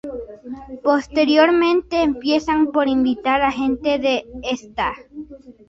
Posteriormente empiezan por invitar a gente de Sta.